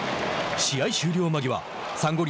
試合終了間際サンゴ